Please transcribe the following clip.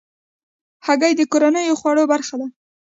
هګۍ د کورنیو خوړو برخه ده.